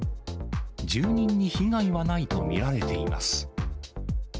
住人に被害はないと見られています。